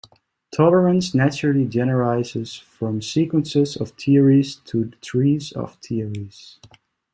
Tolerance naturally generalizes from sequences of theories to trees of theories.